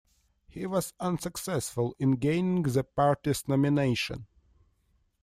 He was unsuccessful in gaining the party's nomination.